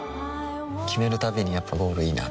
決めるたびにやっぱゴールいいなってふん